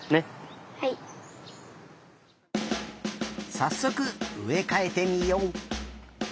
さっそくうえかえてみよう。